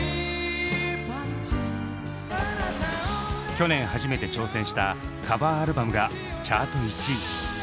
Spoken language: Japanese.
去年初めて挑戦したカバーアルバムがチャート１位。